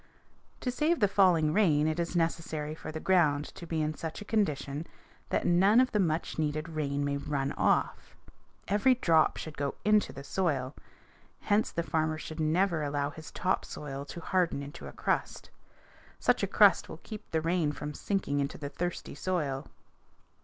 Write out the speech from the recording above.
To save the falling rain it is necessary for the ground to be in such a condition that none of the much needed rain may run off. Every drop should go into the soil. Hence the farmer should never allow his top soil to harden into a crust. Such a crust will keep the rain from sinking into the thirsty soil.